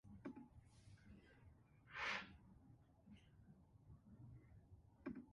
Gethings' long time partner is the Emmy award winning animation director Tom Brass.